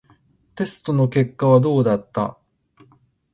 テストの結果はどうだった？